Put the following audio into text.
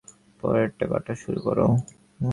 পরেরটা কাটা শুরু করো।